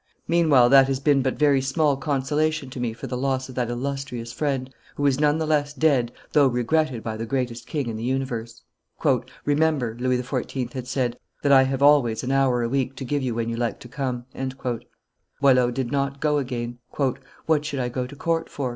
Meanwhile that has been but very small consolation to me for the loss of that illustrious friend, who is none the less dead though regretted by the greatest king in the universe." "Remember," Louis XIV. had said, "that I have always an hour a week to give you when you like to come." Boileau did not go again. "What should I go to court for?"